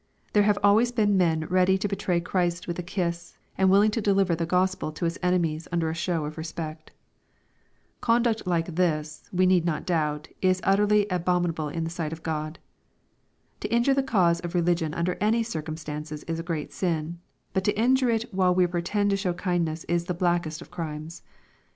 There have always been men ready to betray Christ with a kiss, and willing to deliver the Gos pel to its enemies under a show of respect. Conduct like this, we need not doubt, is utterly abo minable in the sight of God. To injure the cause of re ligion under any circumstances is a great sin, but to in jure it while we pretend to show kindness is the blackest of crimes.